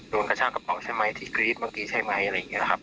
กระชากระเป๋าใช่ไหมที่กรี๊ดเมื่อกี้ใช่ไหมอะไรอย่างนี้นะครับ